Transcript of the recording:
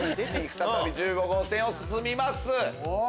再び１５号線を進みます。